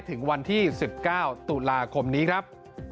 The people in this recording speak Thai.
ถึงวันที่๑๙ตุลาคมนี้ครับ